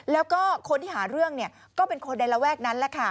แล้วก็คนที่หาเรื่องเนี่ยก็เป็นคนในระแวกนั้นแหละค่ะ